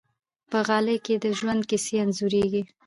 په غالۍ کې د ژوند کیسې انځورېږي.